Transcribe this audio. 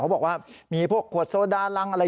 เขาบอกว่าควรสโดะรั้งอะไร